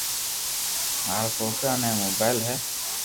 مارا سوڪرا ني موبائل ھي